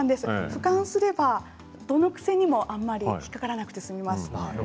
ふかんすればどの癖にも引っ掛からなくて済みます。